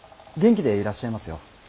元気でいらっしゃいますよ。